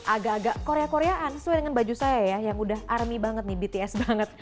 agak agak korea koreaan sesuai dengan baju saya ya yang udah army banget nih bts banget